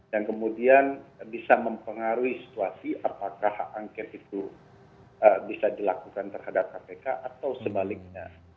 yang kemudian bisa mempengaruhi situasi apakah hak angket itu bisa dilakukan terhadap kpk atau sebaliknya